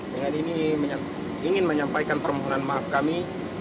dengan ini ingin menyampaikan permohonan maaf kami